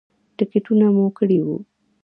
ټکټونه مو کړي وو.